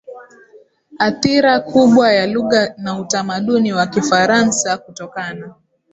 athira kubwa ya lugha na utamaduni wa Kifaransa kutokana